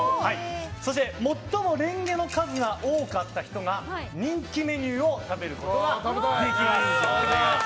そして、最もレンゲの数が多かった人が人気メニューを食べることができます。